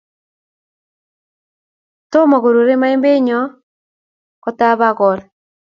Tomo korurei maembyonni kotab akol